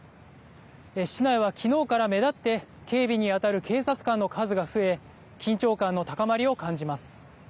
市内は昨日から目立って警備に当たる警察官の数が増え緊張感の高まりを感じます。